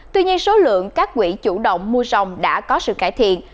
tuy nhiên số lượng các quỹ chủ động mua dòng đã có sự cải thiện